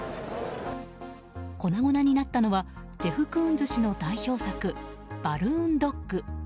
粉々になったのはジェフ・クーンズ氏の代表作「バルーンドッグ」。